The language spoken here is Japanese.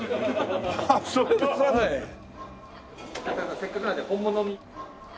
せっかくなので本物に。